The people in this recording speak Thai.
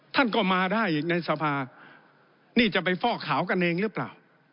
ท่านก็มาได้ในสภานี่จะไปฟอกขาวกันเองหรือเปล่า